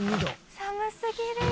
寒すぎるよ。